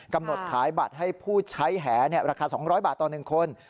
กำหนดขายบัตรให้ผู้ใช้แหราคา๒๐๐บาทต่อ๑คน